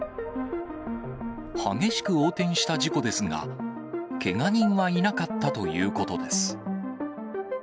激しく横転した事故ですが、けが人はいなかったということです。